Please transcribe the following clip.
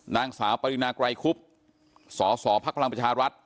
นางสาวปริณาไกรคุบสอสอภักดิ์พลังประชารัฐ